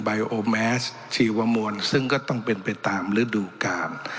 ไอโอแมสชีวมวลซึ่งก็ต้องเป็นไปตามฤดูกาล